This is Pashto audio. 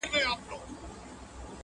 په قصاب چي دي وس نه رسېږي وروره،